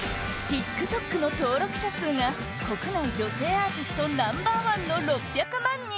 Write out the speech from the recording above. ＴｉｋＴｏｋの登録者数が国内女性アーティストナンバー１の６００万人！